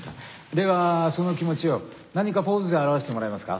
ではその気持ちを何かポーズで表してもらえますか？